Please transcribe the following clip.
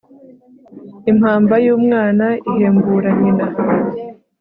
impamba y'umwana ihembura nyina